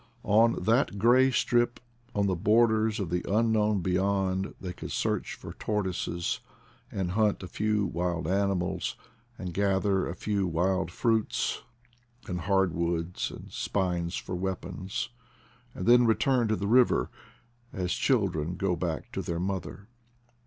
On that gray strip, on the borders of the unknown beyond, they could search for tortoises, and hunt a few wild animals, and gather a few wild fruits, and hard woods and spines for weapons; and then return to the river, as children go back to their mother.